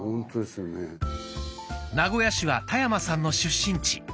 名古屋市は田山さんの出身地。